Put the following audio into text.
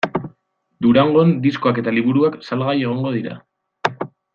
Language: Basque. Durangon diskoak eta liburuak salgai egongo dira.